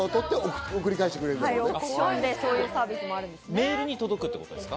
メールに届くってことですか？